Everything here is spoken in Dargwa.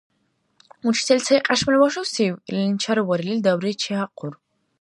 — Учитель цайкьяшмали вашусив? – илини чарварили, дабри чегьахъур.